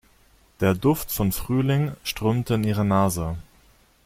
Der Duft von Frühling strömte in ihre Nase.